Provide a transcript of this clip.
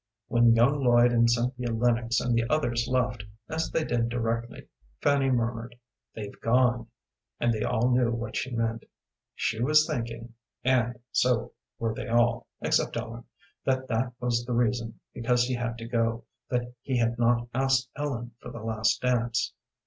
When young Lloyd and Cynthia Lennox and the others left, as they did directly, Fanny murmured, "They've gone," and they all knew what she meant. She was thinking and so were they all, except Ellen that that was the reason, because he had to go, that he had not asked Ellen for the last dance.